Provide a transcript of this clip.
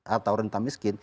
atau rentah miskin